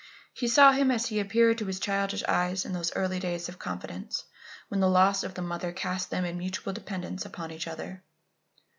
He saw him as he appeared to his childish eyes in those early days of confidence when the loss of the mother cast them in mutual dependence upon each other.